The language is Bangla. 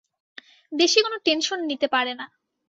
বেশি কোনো টেনশন নিতে পারে না।